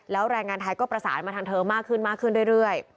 แล้วแรงงานไทยก็ประสานมาทางเธอมากขึ้นมากขึ้นเรื่อย